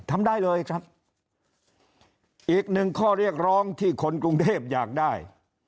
ทำได้เลยครับอีกหนึ่งข้อเรียกร้องที่คนกรุงเทพอยากได้